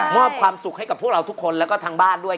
ความสุขให้กับพวกเราทุกคนแล้วก็ทางบ้านด้วย